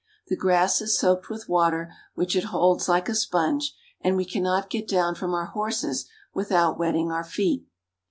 The grass is soaked with water, which it holds like a sponge, and we cannot get down from our horses without wetting our feet.